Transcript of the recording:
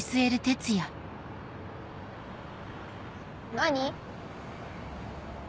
何？